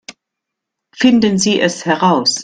Finden Sie es heraus!